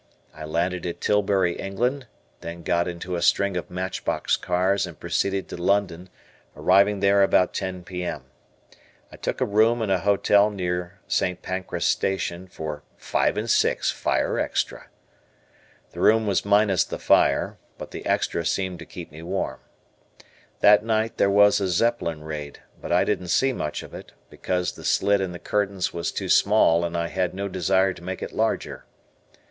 I landed at Tilbury, England, then got into a string of matchbox cars and proceeded to London, arriving there about 10 P.M. I took a room in a hotel near St. Pancras Station for "five and six fire extra." The room was minus the fire, but the "extra" seemed to keep me warm. That night there was a Zeppelin raid, but I didn't see much of it, because the slit in the curtains was too small and I had no desire to make it larger.